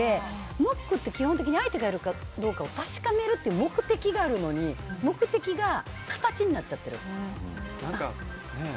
ノックって基本的に相手がいるかどうか確かめるって目的があるのに目的が形になっちゃってる。